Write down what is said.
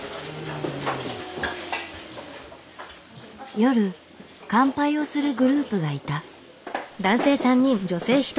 夜乾杯をするグループがいた。